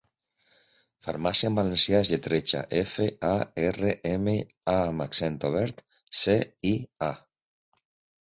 'Farmàcia' en valencià es lletreja: efe, a, erre, eme, a amb accent obert, ce, i, a.